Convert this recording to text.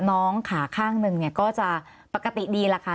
น้องขาข้างหนึ่งก็จะปกติดีแหละค่ะ